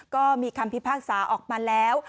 ก็มีคำพิพากษาออกมาแล้ว